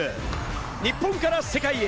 日本から世界へ！